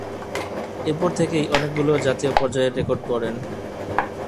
এরপর থেকেই অনেকগুলো জাতীয় পর্যায়ের রেকর্ড গড়েন।